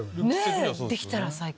できたら最高！